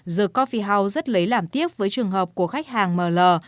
the coffee house rất lấy làm tiếc với trường hợp của khách hàng m l